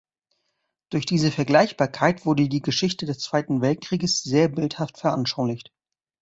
Durch diese Vergleichbarkeit wurde die Geschichte des Zweiten Weltkrieges sehr bildhaft veranschaulicht.